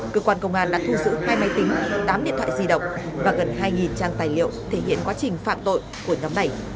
cơ quan công an đã thu giữ hai máy tính tám điện thoại di động và gần hai trang tài liệu thể hiện quá trình phạm tội của nhóm này